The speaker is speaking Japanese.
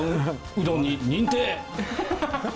うどんに認定！